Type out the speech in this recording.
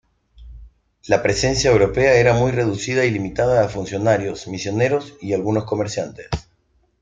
La presencia europea era muy reducida y limitada a funcionarios, misioneros y algunos comerciantes.